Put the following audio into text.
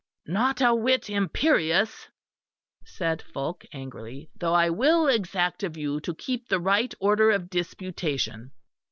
"Not a whit imperious," said Fulke angrily, "though I will exact of you to keep the right order of disputation."